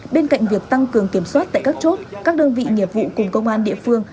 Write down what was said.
bên cạnh việc tăng cường kiểm soát tại các chốt các đơn vị nghiệp vụ cùng công an địa phương